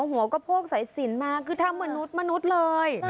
หัวกระโพกสายสินมาคือทำเหมือนนุษย์มนุษย์เลย